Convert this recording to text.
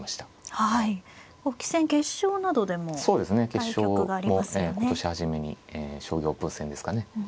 決勝も今年初めに将棋オープン戦ですかね